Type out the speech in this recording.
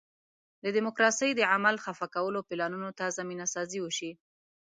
د ډیموکراسۍ د عمل خفه کولو پلانونو ته زمینه سازي وشي.